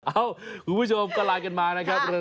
เอ้าคุณผู้ชมก็ไลน์กันมานะครับ